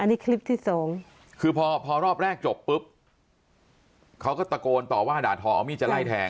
อันนี้คลิปที่สองคือพอพอรอบแรกจบปุ๊บเขาก็ตะโกนต่อว่าด่าทอเอามีดจะไล่แทง